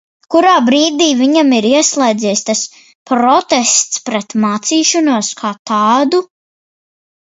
Kurā brīdī viņam ir ieslēdzies tas protests pret mācīšanos kā tādu?